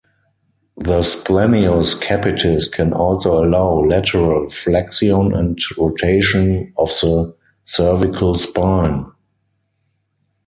The splenius capitis can also allow lateral flexion and rotation of the cervical spine.